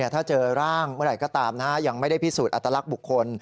ถ้าเจอร่างเมื่อไหร่ก็ตามยังไม่ได้พิสูจน์อัตลักษณ์บุคคล